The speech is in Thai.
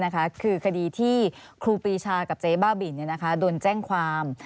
คือคดีที่ครูปีชากับเจ๊บ้าบินโดนแจ้งความ